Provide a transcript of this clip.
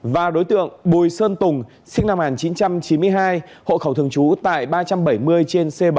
và đối tượng bùi sơn tùng sinh năm một nghìn chín trăm chín mươi hai hộ khẩu thường trú tại ba trăm bảy mươi trên c bảy